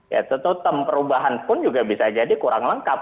ya tentu term perubahan pun juga bisa jadi kurang lengkap